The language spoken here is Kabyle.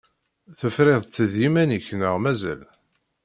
Tefriḍ-tt d yiman-ik neɣ mazal?